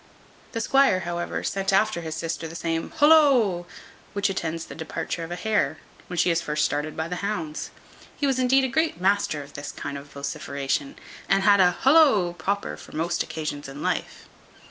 The squire, however, sent after his sister the same holloa which attends the departure of a hare, when she is first started before the hounds. He was indeed a great master of this kind of vociferation, and had a holla proper for most occasions in life.